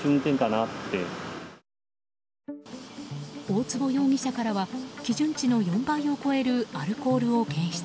大坪容疑者からは基準値の４倍を超えるアルコールを検出。